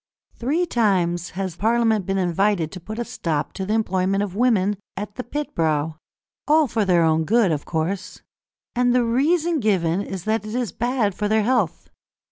Three times has Parliament been invited to put a stop to the employment of women at the pit brow, all for their good, of course. And the reason given is that it is bad for their health.